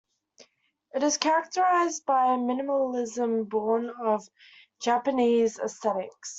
It is characterised by a minimalism born of Japanese aesthetics.